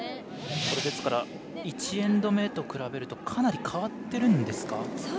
ですから１エンド目と比べるとかなり変わっているんですか？